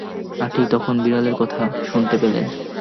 আর ঠিক তখন বিড়ালের কথা শুনতে পেলেন।